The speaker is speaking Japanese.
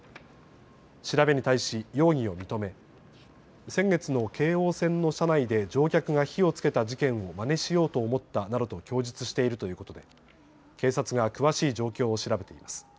調べに対し容疑を認め先月の京王線の車内で乗客が火をつけた事件をまねしようと思ったなどと供述しているということで警察が詳しい状況を調べています。